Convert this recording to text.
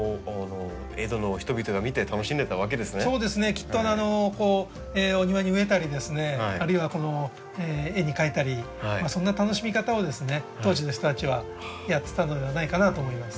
きっとお庭に植えたりですねあるいは絵に描いたりそんな楽しみ方を当時の人たちはやってたのではないかなと思います。